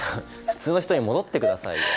普通の人に戻ってくださいよ。